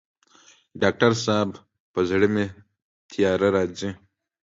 ډاکټر صاحب په زړه مي تیاره راځي